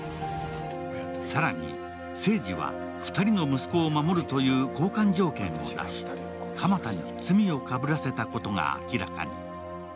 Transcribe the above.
更に、清二は２人の息子を守るという交換条件を出し、鎌田に罪をかぶらせたことが明らかに。